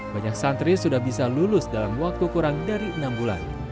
banyak santri sudah bisa lulus dalam waktu kurang dari enam bulan